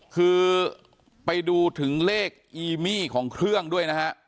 คือไปดูถึงเลขอีมี่ของเครื่องด้วยนะฮะ